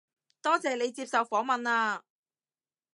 多謝你接受訪問啊